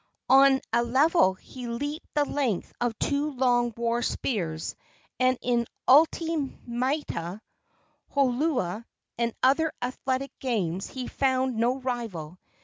On a level he leaped the length of two long war spears, and in uli maita, holua and other athletic games he found no rival.